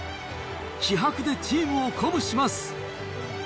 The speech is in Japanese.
気迫でチームを鼓舞します。